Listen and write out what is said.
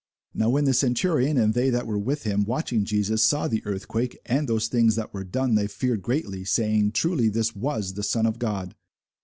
Now when the centurion, and they that were with him, watching Jesus, saw the earthquake, and those things that were done, they feared greatly, saying, Truly this was the Son of God.